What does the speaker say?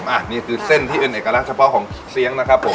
อันนี้คือเส้นที่เป็นเอกลักษณ์เฉพาะของเสียงนะครับผม